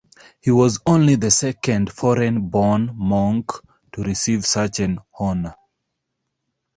He was only the second foreign-born monk to receive such an honour.